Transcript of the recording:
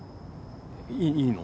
いいいの？